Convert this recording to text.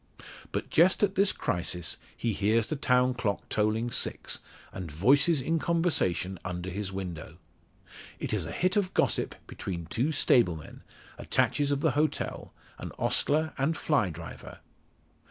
But just at this crisis he hears the town clock tolling six, and voices in conversation under his window. It is a hit of gossip between two stable men attaches of the hotel an ostler and fly driver.